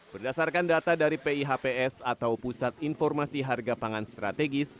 berdasarkan data dari pihps atau pusat informasi harga pangan strategis